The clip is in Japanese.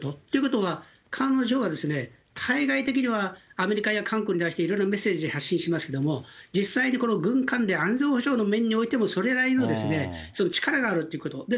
ということは、彼女は対外的には、アメリカや韓国に対していろいろメッセージ発信してますけども、実際にこの軍関連、安全保障の面においても、それなりの力があるっていうこと。